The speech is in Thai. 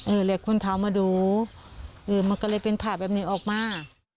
เรียกคนเท้ามาดูเออมันก็เลยเป็นภาพแบบนี้ออกมา